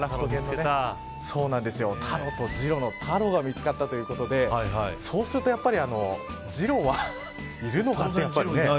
タロとジロのタロが見つかったということでそうするとやっぱりジロはいるのかなって。